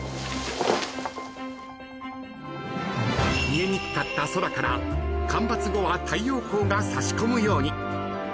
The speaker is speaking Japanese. ［見えにくかった空から間伐後は太陽光が差し込むように］